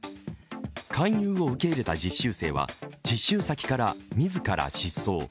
勧誘を受け入れた実習生は実習先から自ら失踪。